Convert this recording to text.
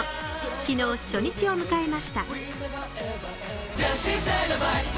昨日初日を迎えました。